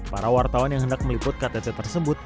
para wartawan yang hendak meliput ktt tersebut